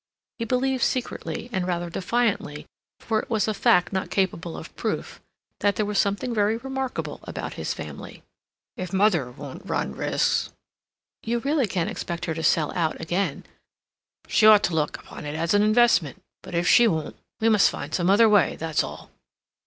He believed secretly and rather defiantly, for it was a fact not capable of proof, that there was something very remarkable about his family. "If mother won't run risks—" "You really can't expect her to sell out again." "She ought to look upon it as an investment; but if she won't, we must find some other way, that's all."